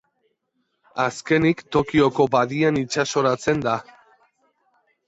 Azkenik Tokioko Badian itsasoratzen da.